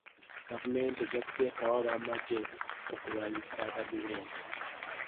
Gavumenti ejja kuteekawo ab'amagye okulwanyisa ababbi b'ente.